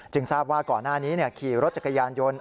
ทราบว่าก่อนหน้านี้ขี่รถจักรยานยนต์